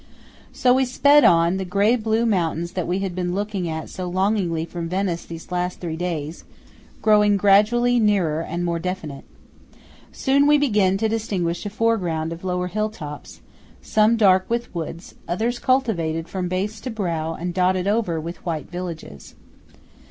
So we sped on, the grey blue mountains, that we had been looking at so longingly from Venice these last three days, growing gradually nearer and more definite. Soon we begin to distinguish a foreground of lower hill tops, some dark with woods, others cultivated from base to brow and dotted over with white villages.